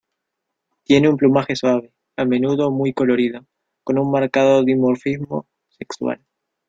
Tienen un plumaje suave, a menudo muy colorido, con un marcado dimorfismo sexual.